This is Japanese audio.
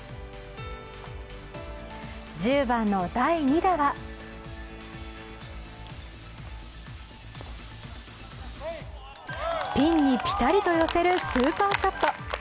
１０番の第２打はピンにピタリと寄せるスーパーショット。